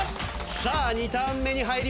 さあ２ターン目に入ります。